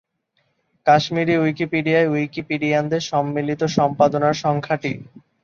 কাশ্মীরি উইকিপিডিয়ায় উইকিপিডিয়ানদের সম্মিলিত সম্পাদনার সংখ্যা টি।